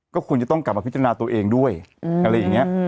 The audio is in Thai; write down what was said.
ก็ควรจะต้องกลับมาพิจารณาตัวเองด้วยอะไรอย่างนี้